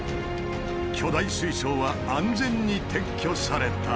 巨大水槽は安全に撤去された。